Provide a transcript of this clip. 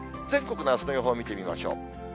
全国のあすの予報を見てみましょう。